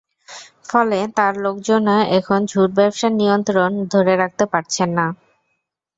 ফলে তাঁর লোকজনও এখন ঝুট ব্যবসার নিয়ন্ত্রণ ধরে রাখতে পারছেন না।